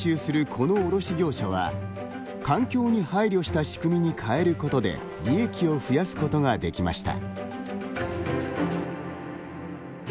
この卸業者は環境に配慮した仕組みに変えることで利益を増やすことができました。